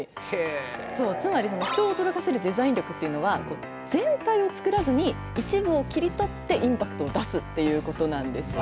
つまり人を驚かせるデザイン力っていうのは全体を作らずに一部を切り取ってインパクトを出すっていうことなんですね。